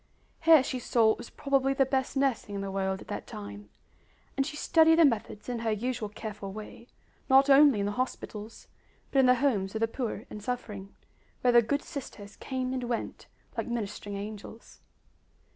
Here she saw what was probably the best nursing in the world at that time; and she studied the methods in her usual careful way, not only in the hospitals, but in the homes of the poor and suffering, where the good sisters came and went like ministering angels.